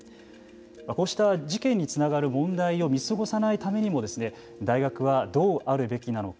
こうした事件につながる問題を見過ごさないためにも大学はどうあるべきなのか。